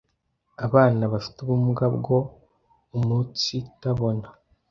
abana bafite ubumuga bwo umunsitabona